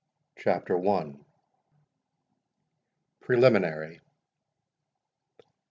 CHAPTER I. PRELIMINARY.